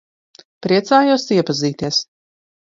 Priecājos iepazīties.